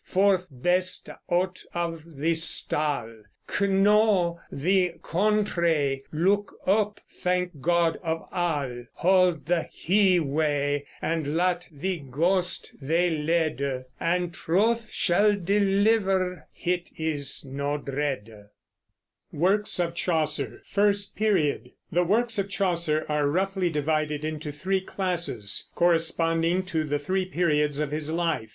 Forth, beste, out of thy stall, Know thy contree, look up, thank God of al; Hold the hye wey, and lat thy gost thee lede: And trouthe shal delivere, hit is no drede. WORKS OF CHAUCER, FIRST PERIOD. The works of Chaucer are roughly divided into three classes, corresponding to the three periods of his life.